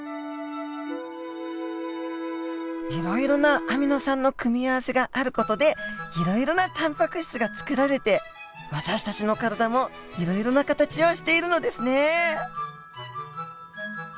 いろいろなアミノ酸の組み合わせがある事でいろいろなタンパク質がつくられて私たちの体もいろんな形をしているのですね。